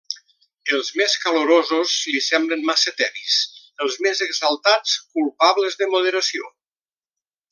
Els més calorosos li semblen massa tebis; els més exaltats, culpables de moderació.